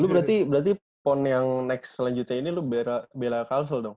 lo berarti pon yang next selanjutnya ini lo bela castle dong